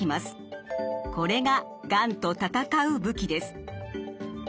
これががんと戦う武器です。